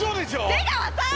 出川さん！